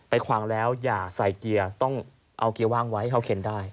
ขวางแล้วอย่าใส่เกียร์ต้องเอาเกียร์ว่างไว้เขาเข็นได้